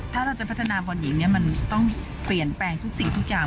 ถ้าเราจะพัฒนาบอลหญิงมันต้องเปลี่ยนแปลงทุกสิ่งทุกอย่าง